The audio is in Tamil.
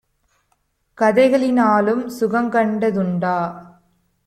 கதைகளி னாலும் சுகங்கண்ட துண்டா?